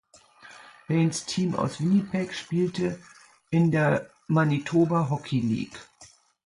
Bains Team aus Winnipeg spielte in der Manitoba Hockey League.